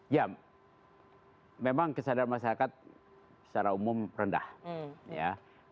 ya memang kesadaran masyarakat secara umum rendah ya